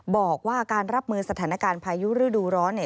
บอกว่าการรับมือสถานการณ์พายุฤดูร้อนเนี่ย